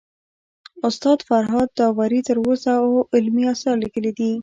استاد فرهاد داوري تر اوسه اوه علمي اثار ليکلي دي